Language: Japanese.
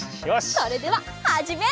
それでははじめ！